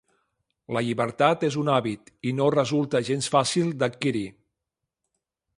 La llibertat és un hàbit, i no resulta gens fàcil d’adquirir.